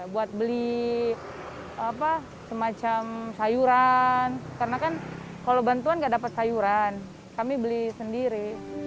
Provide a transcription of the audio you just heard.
buat beli semacam sayuran karena kan kalau bantuan tidak dapat sayuran kami beli sendiri